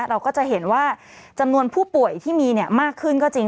เราก็จะเห็นว่าจำนวนผู้ป่วยที่มีมากขึ้นก็จริง